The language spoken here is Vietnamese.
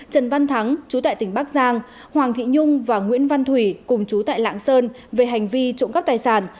trần văn thắng chú tại tỉnh bắc giang hoàng thị nhung và nguyễn văn thủy cùng chú tại lạng sơn về hành vi trộm cắp tài sản